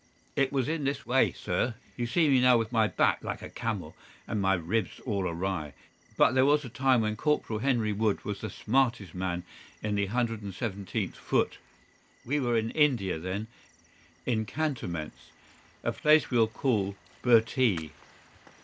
"It was in this way, sir. You see me now with my back like a camel and my ribs all awry, but there was a time when Corporal Henry Wood was the smartest man in the 117th Foot. We were in India then, in cantonments, at a place we'll call Bhurtee.